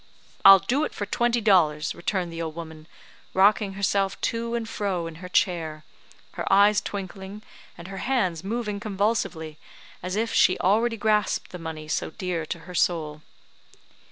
"I'll do it for twenty dollars," returned the old woman, rocking herself to and fro in her chair; her eyes twinkling, and her hands moving convulsively, as if she already grasped the money so dear to her soul.